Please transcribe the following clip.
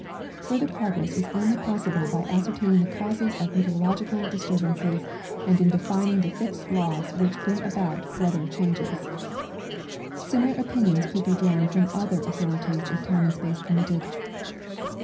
Further progress is only possiljle b}^ ascertaining the causes of meteorological disturb ances and in defining the fixed laws which. bring about weather changes. Similar opinions could be drawn from other author ities if time and space permittted.